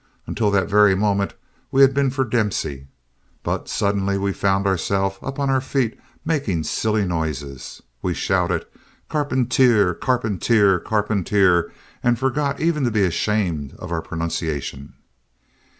Until that very moment we had been for Dempsey, but suddenly we found ourself up on our feet making silly noises. We shouted "Carpentier! Carpentier! Carpentier!" and forgot even to be ashamed of our pronunciation.